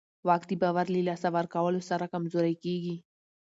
واک د باور له لاسه ورکولو سره کمزوری کېږي.